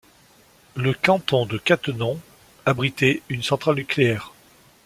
Le Canton de Cattenom abritait une centrale nucléaire.